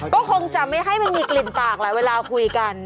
ก็คงจะไม่ให้มันมีกลิ่นปากแหละเวลาคุยกัน